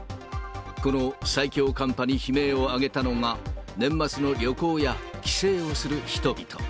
この最強寒波に悲鳴を上げたのが、年末の旅行や帰省をする人々。